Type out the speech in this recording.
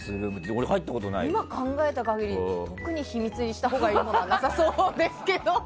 今考えた限り特に秘密にしたほうがいいことはなさそうですけど。